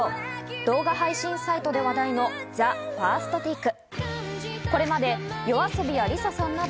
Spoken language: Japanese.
動画配信サイトで話題の「ＴＨＥＦＩＲＳＴＴＡＫＥ」。